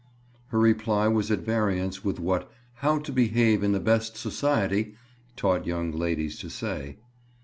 Her reply was at variance with what "How to Behave in the Best Society" taught young ladies to say.